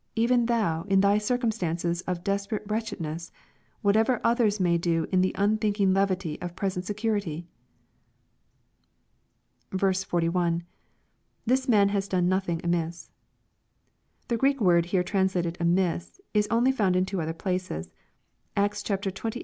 Even thou, in thy circumstances of desperate wretchedness, — whatever others may do in the un thinking levity of present security ?" 41. — [This man has done nothing amiss.] The Greek word here transi lated " ambs," is only found in two other places. (Acts xxviii.